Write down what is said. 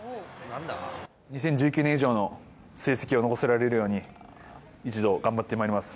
２０１９年以上の成績を残せられるように、一同頑張ってまいります。